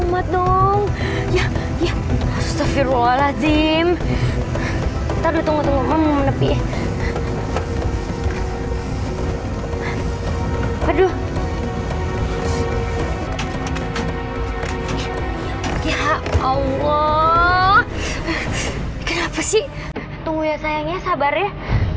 mah gimana nih mah